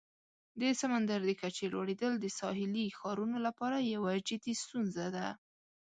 د سمندر د کچې لوړیدل د ساحلي ښارونو لپاره یوه جدي ستونزه ده.